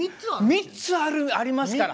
３つありますから。